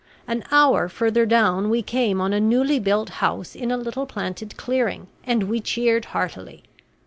An hour farther down we came on a newly built house in a little planted clearing; and we cheered heartily.